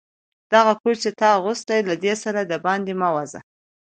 دغه کوټ چي تا اغوستی، له دې سره دباندي مه وزه.